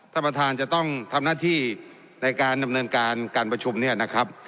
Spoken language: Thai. ท่านประธานจะต้องทำหน้าที่ในการดำเนินการการประชุมเนี่ยนะครับ